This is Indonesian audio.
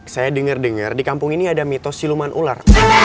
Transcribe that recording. saya dengar dengar di kampung ini ada mitos siluman ular